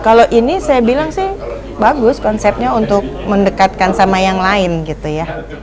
kalau ini saya bilang sih bagus konsepnya untuk mendekatkan sama yang lain gitu ya